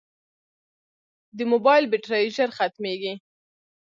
د موبایل بیټرۍ ژر ختمیږي.